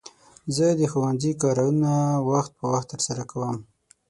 زه د ښوونځي کارونه وخت په وخت ترسره کوم.